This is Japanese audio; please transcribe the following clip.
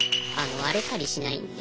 荒れたりしないんで。